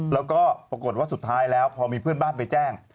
แล้วก็ปรากฏว่าสุดท้ายแล้วพอมีเพื่อนบ้านไปแจ้ง